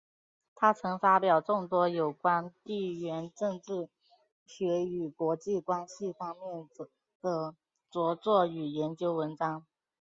他曾发表众多有关地缘政治学与国际关系方面的着作与研究文章。